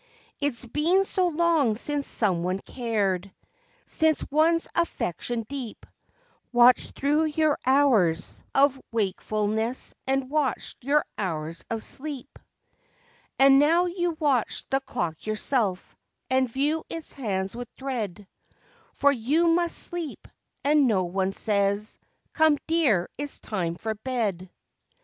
»» It's been so long since some one cared; \ since one's affection deep Watched through your hours of wakeful¬ ness and watched your hours of sleep; And now you watch the clock yourself, and view its hands with dreads For you must sleep, and no one says— "Come, dear, it's time for bed.